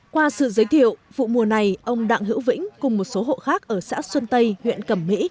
qua sự giới thiệu vụ mùa này ông đặng hữu vĩnh cùng một số hộ khác ở xã xuân tây huyện cẩm mỹ